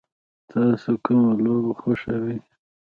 تاسو کومه لوبه خوښوئ؟